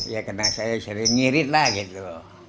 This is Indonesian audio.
ya karena saya sering ngirit lah gitu